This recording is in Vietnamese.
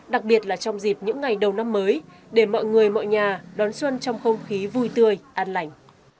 đặc biệt là trong dịp những ngày đầu năm mới để mọi người mọi nhà đón xuân trong không khí vui tươi an lành